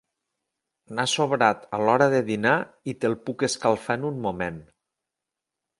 N'ha sobrat a l'hora de dinar i te'l puc escalfar en un moment.